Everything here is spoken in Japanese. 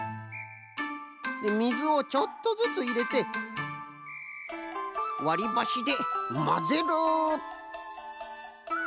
みずをちょっとずついれてわりばしでまぜる。